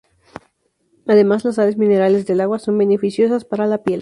Además, las sales minerales del agua son beneficiosas para la piel.